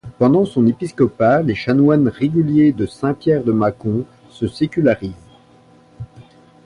Pendant son épiscopat les chanoines réguliers de Saint-Pierre de Mâcon se sécularisent.